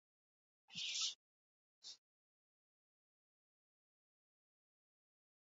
Asteartean ere tenperaturek gora egingo dute, hegoaldeko haizearen menpean jarraituko dugu eta.